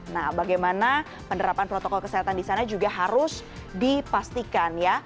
nah bagaimana penerapan protokol kesehatan di sana juga harus dipastikan ya